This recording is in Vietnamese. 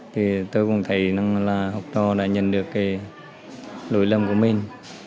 thì tôi cũng thấy rằng là học trò đã nhận được cái lỗi lầm của mình